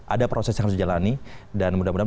ada proses yang harus dijalani dan mudah mudahan